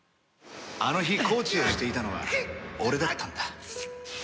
あの日コーチをしていたのは俺だったんだ。